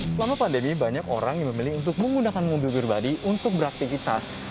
selama pandemi banyak orang yang memilih untuk menggunakan mobil pribadi untuk beraktivitas